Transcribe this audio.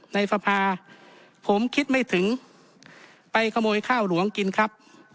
ในสภาผมคิดไม่ถึงไปขโมยข้าวหลวงกินครับ